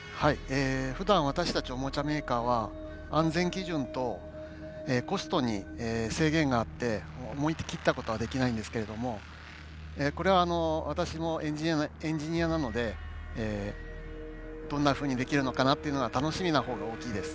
ふだん私たちオモチャメーカーは安全基準とコストに制限があって思い切ったことはできないんですけれどもこれは私もエンジニアなのでどんなふうにできるのかなっていうのは楽しみな方が大きいです。